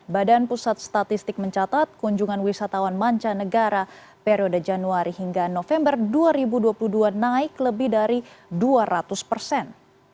badan pusat statistik mencatat kunjungan wisatawan mancanegara periode januari hingga november dua ribu dua puluh dua naik lebih dari dua ratus persen